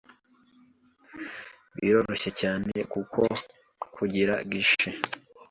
Biroroshye cyane kuko tugira guichet